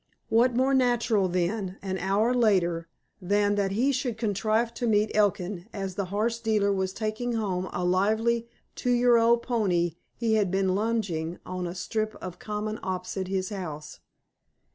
What more natural, then, an hour later, than that he should contrive to meet Elkin as the horse dealer was taking home a lively two year old pony he had been "lungeing" on a strip of common opposite his house?